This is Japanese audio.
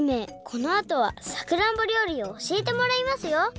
このあとはさくらんぼりょうりをおしえてもらいますよ。